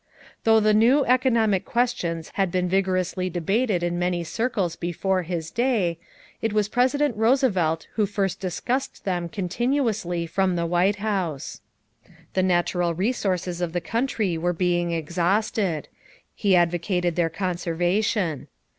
Though the new economic questions had been vigorously debated in many circles before his day, it was President Roosevelt who first discussed them continuously from the White House. The natural resources of the country were being exhausted; he advocated their conservation.